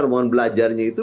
rombongan belajarnya itu